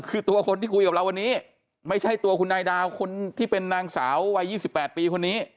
คือตัวคนที่คุยกับเราวันนี้ไม่ใช่ตัวคุณนายดาวคนที่เป็นนางสาววัย๒๘ปีคนนี้